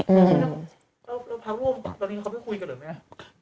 แล้วพระร่วมตอนนี้เขาไม่คุยกันหรือไหม